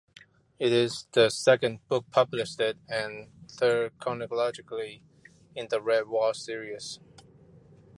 It is the second book published and third chronologically in the "Redwall" series.